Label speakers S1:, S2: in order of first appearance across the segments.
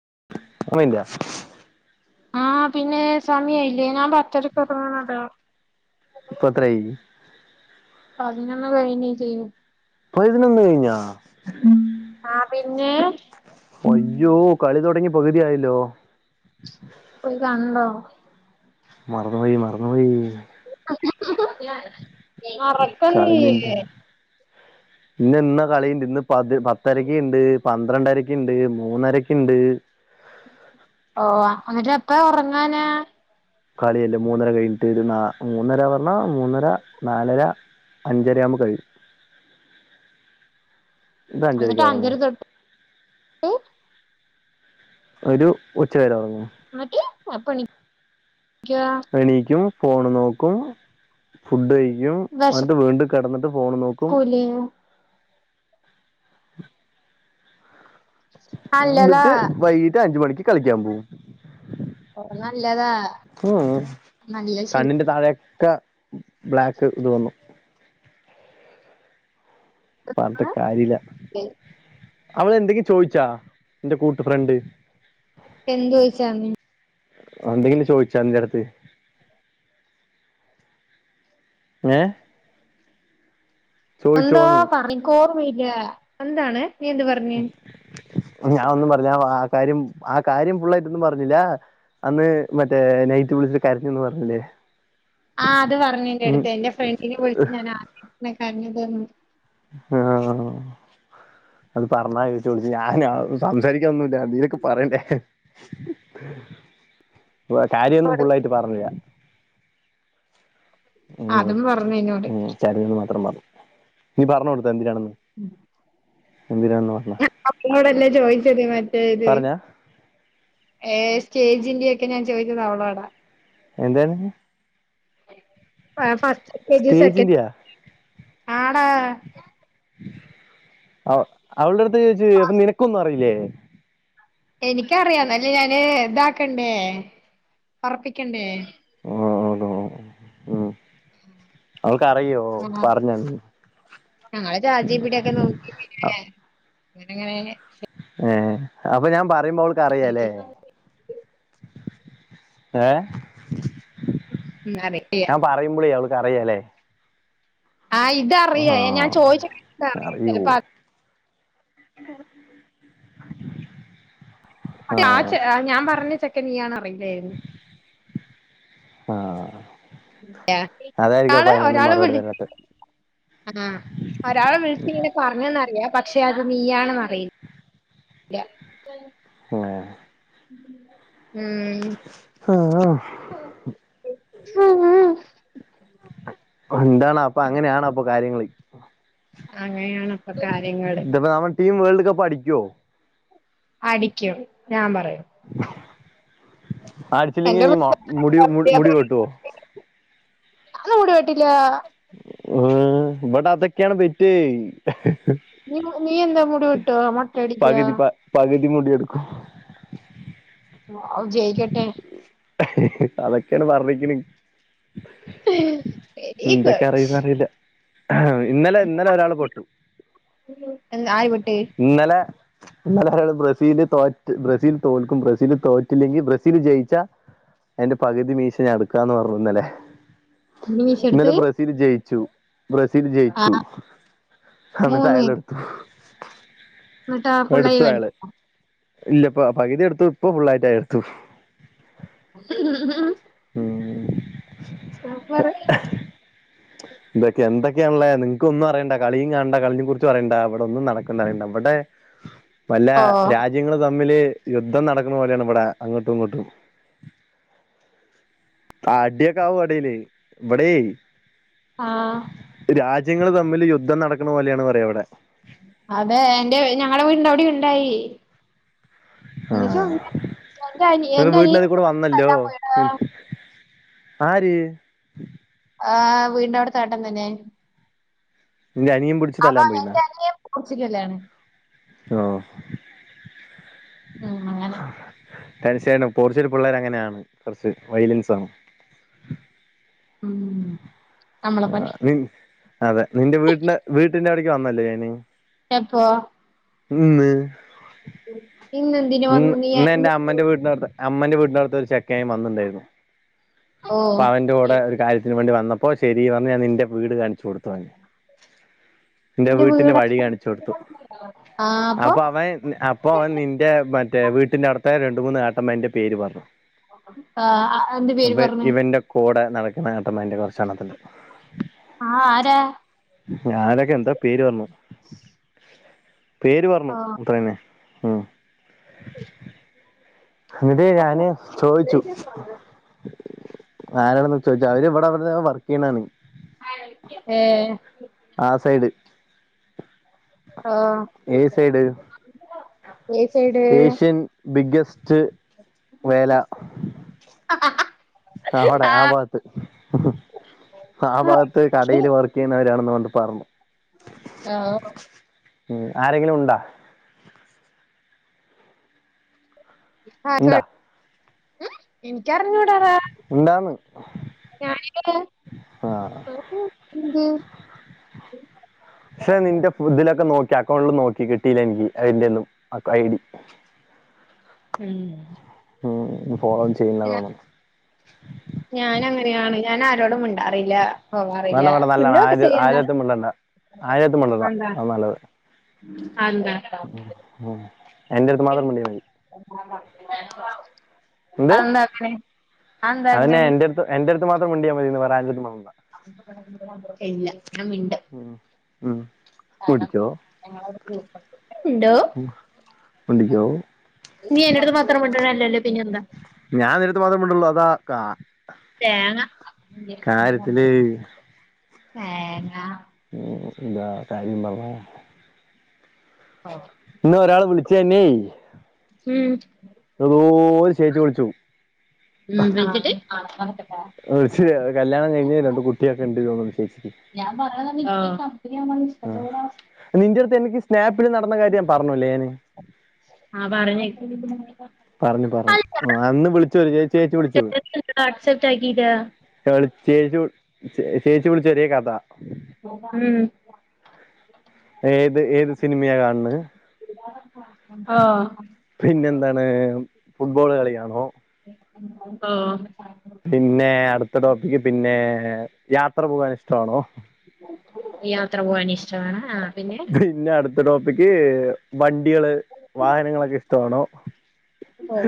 S1: [inaudible]
S2: ആഹ് പിന്നെ സമയായില്ലേ ഞാൻ പത്തരക്ക് ഉറങ്ങാനതല്ലേ
S1: ഇപ്പൊത്രായി
S2: പതിനൊന്ന് കഴിഞ്ഞ ചെയ്യു
S1: പതിനൊന്ന് കഴിഞ്ഞ
S2: ആഹ് പിന്നെ
S1: അയ്യോ കളി തുടങ്ങി പകുതിയായല്ലോ
S2: പോയി കണ്ടോ
S1: മറന്ന്പോയി മറന്നു പോയി
S2: ഉറക്കൊനുല്ലേ
S1: ഇന്ന ഇന്ന കളിണ്ട് ഇന്ന് പത് പത്തരക്ക്ണ്ട് പന്ത്രണ്ടരക്ക്ണ്ട് മൂന്നരക്ക്ണ്ട്
S2: ഓ എന്നിട്ട് എപ്പ ഉറങ്ങാനാ
S1: കളിയല്ലേ മൂന്നര കഴിഞ്ഞിട്ട് ഒരു നാ മൂന്നര പറഞ്ഞ മൂന്നര നാലര അഞ്ചരാമ്പം കഴിയും ഇത് അഞ്ചരക്ക്
S2: എന്നിട്ട്
S1: ഉറങ്ങും
S2: അഞ്ചര തൊട്ട്
S1: ഒരു ഉച്ച വരെ ഉറങ്ങും.
S2: എന്നിട്ട് ആപ്പണി
S1: എണീക്കും ഫോണ് നോക്കും ഫുഡ് കഴി ക്കും എന്നിട്ട് വീണ്ടും കിടന്നിട്ട് ഫോൺ നോക്കും
S2: വിശക്കൂലേ
S1: [unintelligible]
S2: നല്ലതാ
S1: എന്നിട്ട് വൈകിട്ട് അഞ്ചുമണിക്ക് കളിക്കാൻ പോവും
S2: നല്ലതാ
S1: ഉം
S2: നല്ല ശീലാണ്
S1: കണ്ണിന്റെ താഴെ ക്കെ ബ്ലാക്ക് ഇത് വന്നു പറഞ്ഞിട്ട് കാരില്ല്യ അവളെന്തെങ്കിം ചോയിച്ചാ ന്റെ കൂട്ടു ഫ്രണ്ട്
S2: എന്ത് ചോയിച്ചാന്ന്
S1: എന്തെങ്കിലും ചോയിച്ചാ ന്റെ അടുത്ത് ഏ
S2: എന്തോ
S1: ചോയിച്ചോന്ന്
S2: പറഞ്ഞി ന്ക്ക് ഓർമ്മയില്ല എന്താണ് നീ എന്ത് പറഞ്ഞ്
S1: ഞാനൊന്നും പറഞ്ഞില്ല ആ കാര്യം ആ കാര്യം ഫുള്ളായിട്ടൊന്നും പറഞ്ഞില്ല അന്ന് മറ്റേ നൈറ്റ് വിളിച്ചിട്ട് കരഞ്ഞെന്ന് പറഞ്ഞില്ലേ
S2: ആഹ് അത്
S1: ഉം
S2: പറഞ്ഞെന്റെടുത്ത് എന്റെ ഫ്രണ്ടിനെ വിളിച്ച് ഞാൻ ആദ്യായിട്ടാണ് കരഞ്ഞത് എന്ന്
S1: ആഹ് അത് പറഞ്ഞാട്ടു വിളിച്ചു ഞാൻ സംസാരിക്കാ ഒന്നുമില്ല എന്തേലുവൊക്കെ പറയണ്ടേ കാര്യമൊന്നും ഫുള്ളായിട്ട് പറഞ്ഞില്ല ഉം
S2: അതും പറഞ്ഞ് എന്നോട്
S1: ഉം ശെരീന്ന് മാത്രം പറഞ്ഞു നീ പറഞ്ഞു കൊടു എന്തിനാണെന്ന് പറഞ്ഞ
S2: ങ്ങോടല്ലേ ചോയിച്ചത് മ
S1: പറഞ്ഞാ
S2: ഏത് സ്റ്റേജിന്റെയൊക്കെ ഞാൻ ചോദിച്ചത് അവളോടാ
S1: എന്താണ്
S2: ആ ഫസ്റ്റ് കെ ജി സെക്കന്റ്‌
S1: സ്റ്റേജിന്റെയാ
S2: ആടാ
S1: അവളെടുത്ത് ചോയ്ച്ച് അപ്പൊ നിനക്കൊന്നും അറിയില്ലേ
S2: എനിക്കറിയാം എന്നാലും ഞാന് ഇതാക്കണ്ടേ ഒറപ്പിക്കണ്ടേ
S1: ഓ മ് അവൾക്കറിയോ
S2: ആ
S1: പറഞ്ഞെന്ന്
S2: ഞങ്ങള് ചാറ്റ് ജി പി റ്റി ഒക്കെ നോക്കി ഇങ്ങനെ അങ്ങനങ്ങനെ സെറ്റ്
S1: ഏ അപ്പൊ ഞാൻ പറയുമ്പോ അവൾക്ക് അറിയാല്ലേ ഏഹ്
S2: മ് അറിയാം
S1: അറിയാല്ലേ
S2: ആ ഇതറിയാം ഞാൻ ചോദിച്ചുട്ടുള്ളോണ്ട്
S1: അറിയോ
S2: ചെലപ്പോ അത്
S1: [inaudible] ആഹ്
S2: ആ ഞാൻ പറഞ്ഞ ചെക്കൻ നീ ആണെന്ന് അറിയില്ലാരുന്നു
S1: ആഹ് അതായിരിക്കും അപ്പൊ
S2: ഒരാള്
S1: അതിനൊന്നും
S2: ഒരാള്
S1: മറുപടി
S2: വിളിച്
S1: തരാത്ത
S2: ആ ഒരാള് വിളിച്ച് ഇങ്ങനെ പറഞ്ഞേന്നറിയാം പക്ഷെ അത് നീയിണെന്ന് അറിയില്ല ഇല്ല മ്ഹ്
S1: ആ
S2: ഉം
S1: എന്താണ് അപ്പൊ അങ്ങനെയാണ് അപ്പൊ കാര്യങ്ങള്
S2: അങ്ങനെയാണപ്പൊ കാര്യങ്ങള്
S1: ഇതിപ്പോ നമ്മൾ ടീം വേൾഡ് കപ്പ് അടിക്കുവോ
S2: അടിക്കും ഞാൻ പറയും
S1: അടിച്ചില്ലെങ്കി
S2: എന്റെ
S1: നീ മ മുടി മുടി വെട്ടുവോ
S2: ഞാനൊന്നും മുടി വെട്ടില്ല
S1: മ്മ് ബടതൊക്കെയാണ് ബെറ്റ്
S2: നി നീയെന്നാ മുടിവെട്ടുവോ മൊട്ട അടിക്യോ
S1: ഇതിരിമുടിയെടുക്കും
S2: വാഔ ജയ്ക്കട്ടെ
S1: അതൊക്കെയാണ് പറഞ്ഞിക്ക്ന്
S2: വെരി
S1: എന്തൊക്കെ
S2: ഗുഡ്
S1: അറിയുംന്നറിയില്ല ഇന്നലെ ഇന്നലെ ഒരാൾ പെട്ടു
S2: എന്താ ആര് വെട്ട്
S1: ഇന്നലെ ഇന്നലൊരാള് ബ്രസീല് തോറ്റ് ബ്രസീൽ തോൽക്കും ബ്രസീല് തോറ്റ് റ്റില്ലെങ്കി ബ്രസീൽ ജയിച്ച എന്റെ പകുതി മീശ ഞാനെടുക്കാന്ന് പറഞ്ഞുന്നല്ലേ
S2: നീ മീശ
S1: ഇന്നലെ
S2: എടുത്ത്
S1: ബ്രസീൽ ജയിച്ചു ബ്രസീൽ
S2: ആ
S1: ജയിച്ചു അന്നട്ട് അയാളെട്ത്തു
S2: എന്നിട്ട ഫുള്ളായി വടിചിലേ
S1: ഇല്ല പ്പ പകുതി എടുത്തു ഇപ്പൊ ഫുള്ളായിട്ടായി എടുത്തു ഉം
S2: ആ പറ
S1: ണല്ലേ നിങ്ങകൊന്നു അറിയണ്ട കളിയും കാണണ്ട കളിനേ കുറിച്ചും അറിയണ്ട ഇവടെ ഒന്നും നടക്ക്ണറിയണ്ട ഇവ്ടെ വല്ല
S2: ഓ
S1: രാജ്യങ്ങള് തമ്മില് യുദ്ധം നടക്ക്ണ പോലേണ് ഇവടെ അങ്ങട്ടും ഇങ്ങട്ടും അടിയൊക്കാവും എടേല് ഇവിടേ
S2: ആ
S1: രാജ്യങ്ങൾ തമ്മിൽ യുദ്ധം നടക്ക്ണ പോലേണ് പറയാ ഇവടെ
S2: അതെ എൻ്റെ ഞങ്ങടെ വീടിന്റെ അവിടെയുണ്ടായി
S1: ആ
S2: [unintelligible] എൻ്റെ
S1: നിങ്ങടെ വീടിനതി
S2: അനിയൻ
S1: കൂടെ
S2: ഒക്കെ
S1: വന്നല്ലോ ആര്
S2: ആ വീടിന്റെ അവിടത്തൊ എട്ടൻ തന്നെ
S1: നിന്റെ അനിയൻ പിടിച്ച്
S2: ആ
S1: തല്ലാൻ പോയിന്നാ
S2: മകന്റ് എന്റെ പോർച്ചിക്കല്ലാണ്
S1: ഓ...
S2: ഉം അങ്ങനെ
S1: ഡനസായി പോറച്ചരു പിള്ളേർ അങ്ങനെയാണ് കുറച്ച് വയലിൻസണ്
S2: ഉം നമ്മളെ
S1: ആ
S2: പോലെ
S1: നി അതെ നിന്റെ വീട്ടിന്റെ വീട്ടിന്റെ അവിടേക്ക് വന്നല്ലേ ഞാന്
S2: എപ്പ
S1: ഇന്ന്
S2: ഉം
S1: ഇ ഇന്ന് എന്റെ അമ്മന്റെ വീട്ടിനടുത്ത് അമ്മന്റെ വീട്ടിനടുത്ത് ഒരു ചെക്കായയും വന്നിണ്ടായിരുന്നു
S2: ഓ
S1: അപ്പൊ അവന്റെ കൂടെ ഒരു കാര്യത്തിന് വേണ്ടി വന്ന പ്പൊ ശരിന്ന് പറഞ്ഞ് ഞാൻ നിന്റെ വീട് കാണിച്ചു കൊടുത്തു നിന്റെ
S2: എന്റെ
S1: വീട്ടിന്റെ
S2: വീട്
S1: വഴി കാണിച്ചു കൊടുത്തു അപ്പൊ അവൻ അപ്പൊ അവൻ നിന്റെ മ റ്റേ വീട്ടിന്റെ അടുത്തത്തെ രണ്ടു മൂന്ന് എട്ടമ്മാരന്റെ പേര് പറഞ്ഞു
S2: ആ ആ എന്ത് പേര്
S1: അപ്പ
S2: പറഞ്ഞു
S1: ഇവന്റക്കെ കൂടെ നടക്കുന്ന ഏട്ടൻ്റെ അതിന്റെ കുറച്ചെണ്ണത്തിൻ്റെ
S2: ആ ആരാ
S1: ഞാനൊക്കെ എന്തോ പേര് പറഞ്ഞു പേര് പറഞ്ഞു
S2: ഓ
S1: അത്രേന്നെ ഉം എന്നിട്ടേ ഞാന് ചോദിച്ചു ആരണ് ചോദിച്ച അവര് ഇവിടെ വർക്ക് ചെയ്യണാണ്
S2: ഏ
S1: ആ സൈഡ് ഏ സൈഡ്
S2: ആഹ്
S1: ഏഷ്യൻ ബിഗ് അവിടെ ആ ഭാഗത്ത് ആ ഭാഗത്ത് കടെല് വർക്ക് ചെയ്യുന്നവരാണെന്ന് പറഞ്ഞു
S2: ആഹ്
S1: ഉം ആരെങ്കിലും ഉണ്ടോ
S2: ആഹ്
S1: ഉണ്ടാ
S2: എനിക്കറിഞ്ഞൂടാതാ
S1: ഉണ്ടാന്ന് ആ
S2: ഞാനിങ്ങനെ
S1: പക്ഷെ നിന്റെ ഇതിലൊക്കെ നോക്ക അക്കൗണ്ടിൽ നോക്കി കിട്ടില്ല എനിക്ക് അതിന്റെ
S2: ഉം
S1: ഫോളോ
S2: ഞ
S1: ചെയ്യുന്നതോന്നു
S2: ഞാൻ അങ്ങനെയാണ് ഞാൻ ആരോടും മി അറിയില്ല ഓ അറില്ല ഫുള്ളൊക്കെ ചെയ്യന്നാ
S1: ആയിരിടത്തും മിണ്ടണ്ട അതാ നല്ലത്
S2: അത് എന്താ
S1: എൻ്റെ അടുത്ത് മാത്രം മിണ്ടിയാ മതി
S2: അത് എന്താ അങ്ങനെ
S1: അതിന് എന്റ അടുത്ത് എന്റെ അടുത്ത് മാത്രം മുണ്ടിയാൽ മതിയന്ന് വേറെ ആരോടും മിണ്ടണ്ട
S2: ഇല്ല ഞാൻ മിണ്ടും
S1: ഉം. ഉം. മുടിക്കോ
S2: മിണ്ടോ
S1: മിണ്ടിക്കൊ
S2: നീ എന്റെ അടുത്ത് മാത്രം മിണ്ടുന്നേ അല്ലല്ലേ പിന്നെ എന്താ
S1: ഞാൻ നിന്റെ അടുത്ത് മാത്രം മിണ്ട്ള്ളു അതാ കാ
S2: തേങ്ങ
S1: കാര്യത്തില്
S2: ഏഹ് എന്ന
S1: [inaudible]
S2: ഓ
S1: ഇന്ന് ഒരാള വിളിച്ചേനീ
S2: ഉം
S1: ചേച്ചി വിളിച്ചു
S2: ഉം വിളിച്ചിട്ട്
S1: ച്ച് കല്യാണം കഴിഞ്ഞ രണ്ട കുട്ടിയൊക്കെ ഉണ്ട് [inaudible]
S2: ഞാൻ പറഞ്ഞത എനിക്ക് കമ്പനിമ്മ ഇഷ്ട
S1: ആ
S2: ഒ [inaudible] ര അവസ്ഥ
S1: നിന്റെ അടുത്ത് എനിക്ക് സ്നാപ്പിൽ നടന്ന കാര്യം ഞാൻ പറഞ്ഞുല്ലേ ഞാന്
S2: ആ പറഞ്ഞേ
S1: പറഞ്ഞു പറഞ്ഞു ആ അന്ന് വിളിച്ച ഒരു ചേച്ചിയെവിളിച്ചുത്
S2: [inaudible]
S1: ചേച്ചി ചേച്ചി വിളിച്ച ചെറിയ ക
S2: ഉം
S1: ഏത് ഏത് സിനിമയാ കാണണ്
S2: ഓ
S1: പിന്നെ എന്താണ് ഫുട്ബോൾ കളിയാണോ
S2: ഓ
S1: പിന്നെ അടുത്ത ടോപ്പിക്ക് പിന്നെ യാത്ര പോകൻ ഇഷ്ടമാണോ
S2: യാത്ര പോവാൻ ഇഷ്ട്ടാണ്
S1: പിന്നെ അടുത്ത ടോപ്പിക്ക് വണ്ടി കള് വാഹനങ്ങളൊക്കെ ഇഷ്ടമാണോ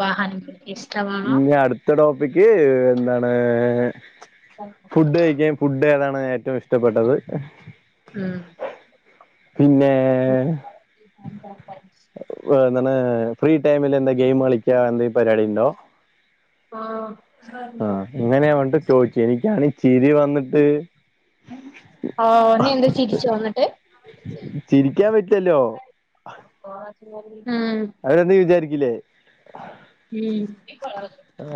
S2: വാഹനങ്ങൾ ഇഷ്ടമാണ്
S1: ഇനി അടുത്ത ടോ പിക്ക്എന്താണ് ഫുഡ്കഴിക്ക ഫുഡ് ഏതാണ് ഏറ്റവും ഇഷ്ടപ്പെട്ടത്
S2: ഉം
S1: പിന്നെ
S2: [unintelligible]
S1: എന്തണ് ഫ്രീടൈമില് എന്ത ഗെയിം കളിക്കാ ന്ത പരിയാടി ഉണ്ടോ ആഹ ഇങ്ങനെയാ ണ്ട് ചോദിച്ചു എനിക്കാണ് ചിരി വന്നിട്ട്
S2: ആ ഓ നീ എന്താ ചിരിച്ചോ എന്നിട്ട്
S1: ചിരിക്കാൻ പറ്റല്ലോ
S2: ഉം
S1: അവരൊന്ന വിചാരിക്കില്ലേ
S2: ഉം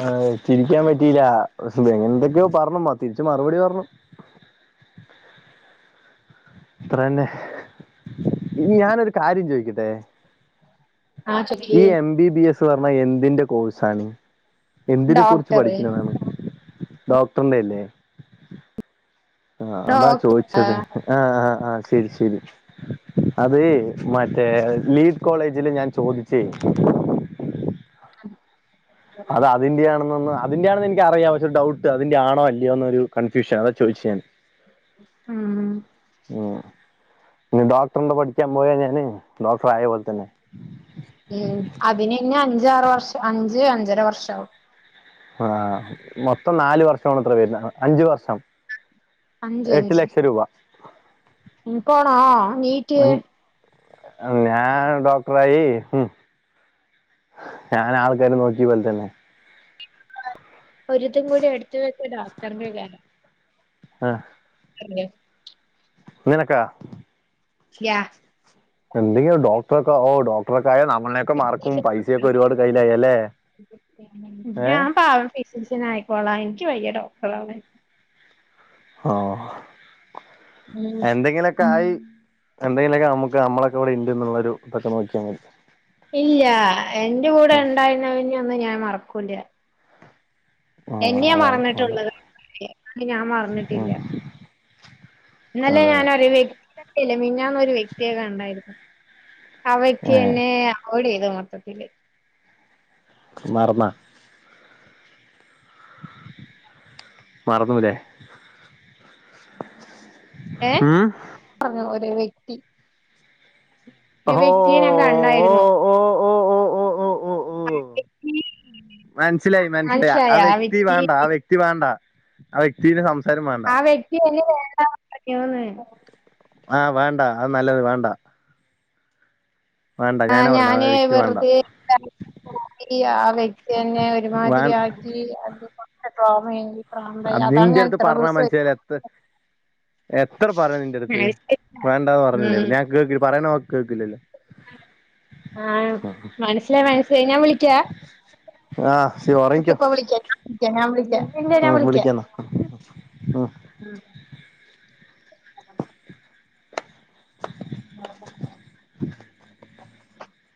S1: ആ ചിരിക്കാൻ പറ്റിയില്ല എങ്ങനെ എന്തൊക്കെയോ പറഞ്ഞ തിരിച്ച മറുപടി പറഞ്ഞു ഇത്രന്നെ ഞാനരു കാര്യം ചോയ്ക്കട്ടെ
S2: ആ ചൊക്കി
S1: ഈ എം ബി ബി എസ് പറഞ്ഞ എന്തിന്റെ കോഴ്സാണ് എന്തിനെ കുറിച്ച്
S2: ഡോക്ടറ്
S1: പഠിക്കണതാണ് ഡോക്ടറിന്റെ അല്ലേ ആഹ അതാ
S2: ഡോക്ട
S1: ചോദിച്ചത് ആഹ ആഹ ആഹ് ശരി ശരി അത് മറ്റേ ലീഡ് കോളേജില് ഞാൻ ചോദിച്ചേ
S2: ഉ
S1: അത് അതിന്റെയാണെന്നൊന്ന് അതിന്റെ ആണെന്ന് എനിക്കറാം പ ഒരു ഡൗട്ട് അതിന്റെ ആണോല്ലയോന്ന്കൺ്യൂഷൻ അത ചോദിച്ച ഞാൻ
S2: ഉം
S1: ഉ ഇ ഡോക്ടറിന്റെ പഠിക്കാൻ പോയ ഞാന് ഡോക്ടർ ആയ പോലെ തന്നെ
S2: ഉം അതിന്നെ അഞ്ചാറ് വർഷം അഞ്ച് അഞ്ചര വർഷ ആവും
S1: ആഹ മൊത്തം നാല വർഷ അത്ര വരുന്ന അഞ്ചു വർഷം എട്ട് ലക്ഷം രൂപ
S2: ഉ പോണ നീറ്റ്
S1: ഞാൻ ഡോക്ടറായി ഉ ഞാൻ ആൾക്കാര് നോക്കിയ പോലെ തന്നെ
S2: ഒരിതും കൂടി എടുത്ത വെക്ക ഡോക്ടറിന്റെ
S1: ആഹ
S2: [unintelligible]
S1: നിനക്ക
S2: യാ
S1: ന്തെയ്യ ഡോക്ടറൊക്കെ ഓ ഡോക്ടറൊ ക്കായ നമ്മളയൊക്കെ മറക്കും പൈസയൊക്കെ ഒരുപാട് കയ്യിലായല്ലേ
S2: ഞാൻ പാവം ഫിസീഷനായ്ക്കോളാ എനിക്ക് വയ്യ ഡോക്ടറാവാൻ.
S1: ആ
S2: ഉം
S1: എന്തെങ്കിലൊക്കൊയി എന്തെങ്കിലൊക്കെ നമ്മുക്ക് നമ്മളൊക്കെ ഇവിടെ ഇണ്ട്ന്നുള്ളൊരു ഇതൊക്കെ നോക്കിയാ മതി
S2: ഇല്ല്യ എന്റെ കൂടെ
S1: ഉം
S2: ഇണ്ടായിര്ന്നങ്ന്യൊന്നും ഞാൻ മറക്കൂല്യ
S1: ആ
S2: എന്നെയാ
S1: അതാണ് നല്ലത്
S2: മറന്നിട്ടുള്ളത് ഞാൻ മറന്നിട്ടില്ല
S1: ഉം
S2: ഇന്നലെ
S1: അതെ
S2: ഞാനൊര് വ്യക്തിയല്ല മിന്നാന്നൊരു വ്യക്തിയേ കണ്ടായിരുന്നു അവയ്ക്ക്
S1: ഏ
S2: എന്നെ അവോയ്ടെയ്ത മൊത്തത്തില്
S1: മറന്ന മറന്നൂലേ
S2: ഏ
S1: ഉം
S2: പറഞ്ഞരോ വ്യക്തി ഒരു
S1: ഓ
S2: വ്യക്തിയെ ഞാൻ കണ്ടായിരുന്നു
S1: ഓ ഓ ഓ
S2: ആ വെക്തി
S1: മന്സ്സിലായി മന്സ്സിലായി ആ വ്യക്തി വേണ്ട ആ വ്യക്തി വേണ്ട ആ വ്യക്തിനെ സം
S2: ആ വ്യക്തിെ എന്നെ വേണ്ട പറഞ്ഞൂന്ന്
S1: ആഹ വേണ്ട അത് നല്ലത് വേണ്ട വേണ്ട
S2: ആ
S1: ഞാനാ പറഞ്ഞെ ആ
S2: ഞാന്
S1: വ്യക്തി വേണ്ട
S2: വെറുതെ [unintelligible] പോയി ആ വ്യക്തി എന്നെ
S1: വേൻ
S2: ഒരുമാതിരിയാക്കി അത് കൊണ്ട് ഡ്രോമയങ്കി
S1: അതിന്റെടുത്ത് പറഞ്ഞാ മനുഷ്യനെത്ര എത്ര പറയുഞ്ഞു നിൻ്റടുത്ത്
S2: മനസ്സിലായില്ല.
S1: വേണ്ടാന്ന് പറഞ്ഞില്ലേ ഞാൻ കേക്ക് പറയണത് കേക്കില്ലല്ലോ
S2: ആ മനസിലായി മനസിലായി ഞാൻ വിളിക്ക
S1: ആഹ് ശരി
S2: നിക്ക്
S1: ഉറങ്ങിക്കോ
S2: ഇപ്പോ വിളിക്ക ഞാ വിളിക്ക ഞാൻ വിളിക്ക പിന്നെ ഞാൻ
S1: ഉം
S2: വിളിക്ക
S1: വിളിക്കാന്നാ [inaudible] [inaudible]
S2: [unintelligible]
S1: [inaudible]